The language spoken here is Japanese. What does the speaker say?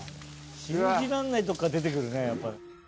信じらんないとこから出てくるね。